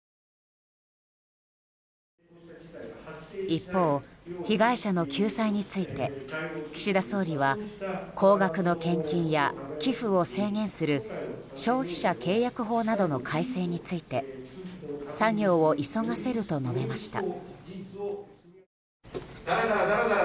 一方、被害者の救済について岸田総理は高額の献金や寄付を制限する消費者契約法などの改正について作業を急がせると述べました。